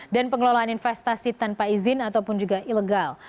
dan pengelolaan investasi tanpa izin ataupun juga ilegal